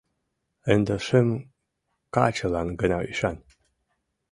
Ынде шым качылан гына ӱшан.